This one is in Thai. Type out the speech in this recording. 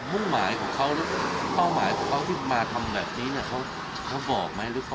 มุ่งหมายของเขาหรือเป้าหมายของเขาที่มาทำแบบนี้เนี่ยเขาบอกไหม